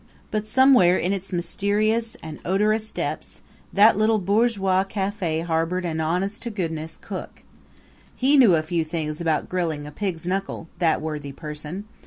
But somewhere in its mysterious and odorous depths that little bourgeois cafe harbored an honest to goodness cook. He knew a few things about grilling a pig's knuckle that worthy person.